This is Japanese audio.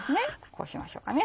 こうしましょうかね。